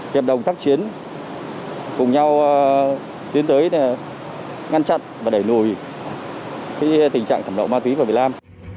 hiệp đồng tác chiến cùng nhau tiến tới ngăn chặn và đẩy lùi tình trạng thẩm lậu ma túy vào việt nam